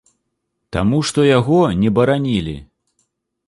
Таму што яго не баранілі.